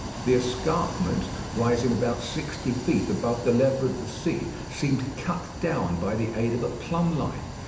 The escarpment, rising about sixty feet above the level of the sea, seemed cut down by the aid of a plumb line.